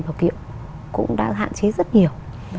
vào kiệu cũng đã hạn chế rất nhiều